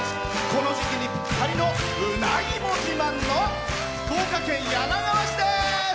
この時期にぴったりのうなぎも自慢の福岡県柳川市です。